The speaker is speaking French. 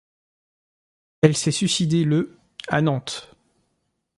Elle s'est suicidée le à Nantes.